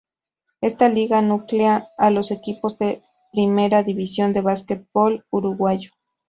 Esta liga nuclea a los equipos de Primera División del Básquetbol uruguayo.